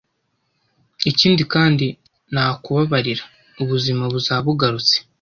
ikindi kandi nakubabarira ubuzima buzaba bugarutse,